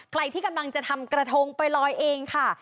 ใครที่กำลังจะทำกระทงไปลอยเองค่ะ